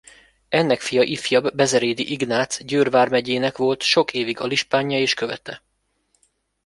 Ennek fia ifjabb Bezerédj Ignác Győr vármegyének volt sok évig alispánja és követe.